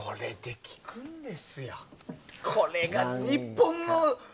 これが日本の。